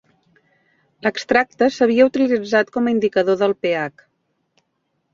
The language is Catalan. L'extracte s'havia utilitzat com a indicador del pH.